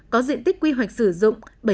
có diện tích quy hoạch sử dụng